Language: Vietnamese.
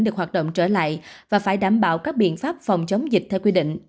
được hoạt động trở lại và phải đảm bảo các biện pháp phòng chống dịch theo quy định